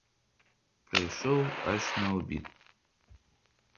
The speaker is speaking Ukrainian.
Прийшов аж на обід.